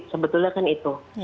sebetulnya kan itu